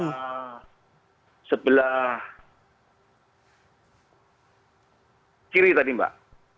di sebelah kiri tadi mbak